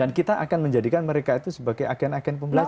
dan kita akan menjadikan mereka itu sebagai agen agen pembangunan